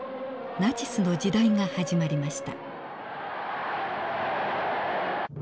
ナチスの時代が始まりました。